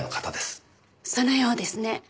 そのようですね。